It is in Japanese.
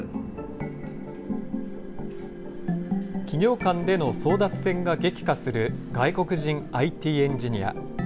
企業間での争奪戦が激化する外国人ＩＴエンジニア。